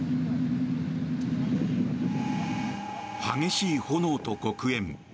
激しい炎と黒煙。